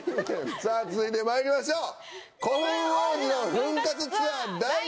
さぁ続いてまいりましょう。